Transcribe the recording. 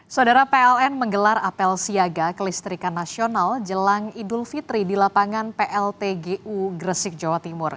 saudara pln menggelar apel siaga kelistrikan nasional jelang idul fitri di lapangan pltgu gresik jawa timur